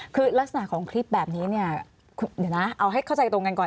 คือลักษณะของคลิปแบบนี้เอาให้เข้าใจตรงกันก่อน